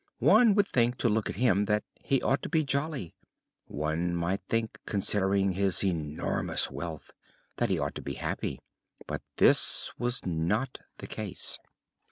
One would think, to look at him, that he ought to be jolly; one might think, considering his enormous wealth, that he ought to be happy; but this was not the case.